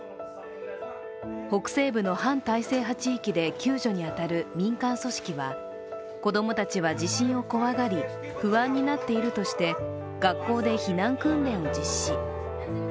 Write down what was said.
北西部の反体制派地域で救助に当たる民間組織は子供たちは地震を怖がり、不安になっているとして学校で避難訓練を実施。